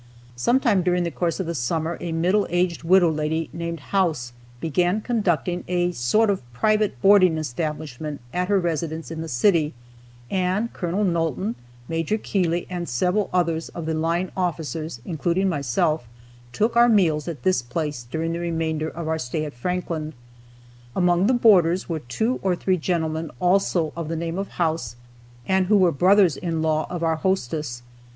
Sometime during the course of the summer a middle aged widow lady named House began conducting a sort of private boarding establishment at her residence in the city, and Col. Nulton, Maj. Keeley, and several of the line officers, including myself, took our meals at this place during the remainder of our stay at Franklin. Among the boarders were two or three gentlemen also of the name of House, and who were brothers in law of our hostess.